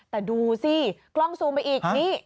แต่ดูสิกล้องซูมไปอีกนี่